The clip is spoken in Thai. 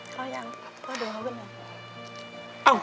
เขายังไงเพื่อดูเอาเยอะกันหน่อย